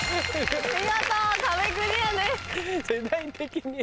見事壁クリアです。